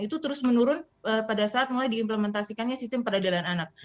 itu terus menurun pada saat mulai diimplementasikannya sistem peradilan anak